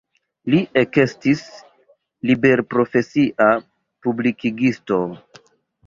Li ekestis liberprofesia publikigisto.